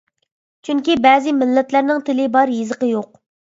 چۈنكى بەزى مىللەتلەرنىڭ تىلى بار، يېزىقى يوق.